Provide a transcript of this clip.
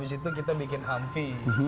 itu yang kita bikin humvee